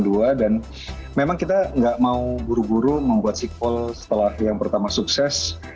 dan memang kita nggak mau buru buru membuat sekol setelah yang pertama sukses